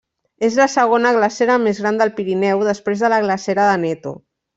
És la segona glacera més gran del Pirineu, després de la glacera d'Aneto.